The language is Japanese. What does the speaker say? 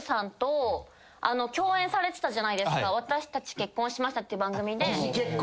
『私たち結婚しました』って番組で。